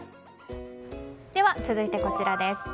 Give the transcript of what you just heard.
では続いてこちらです。